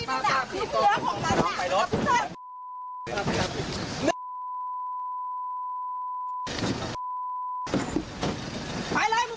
หินหินหินหินหินหินหินรถจอดตัวไหน